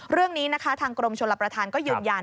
เรื่องนี้นะคะทางกรมชลประธานก็ยืนยัน